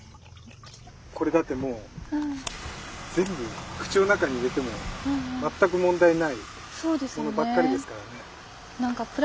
これだってもう全部口の中に入れても全く問題ないものばっかりですからね。